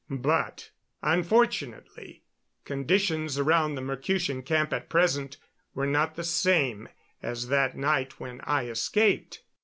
But, unfortunately, conditions around the Mercutian camp at present were not the same as that night when I escaped.